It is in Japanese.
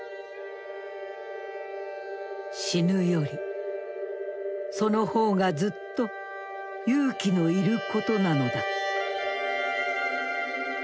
「死ぬよりその方がずっと勇気のいることなのだ」。